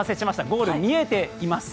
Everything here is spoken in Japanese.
ゴール、見えています。